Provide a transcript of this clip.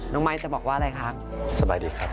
นองไมค์จะบอกว่าอะไรฮะ